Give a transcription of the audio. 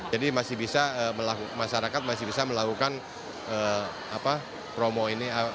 jadi masyarakat masih bisa melakukan promo ini